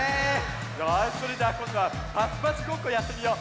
よしそれじゃあこんどはパチパチごっこやってみよう。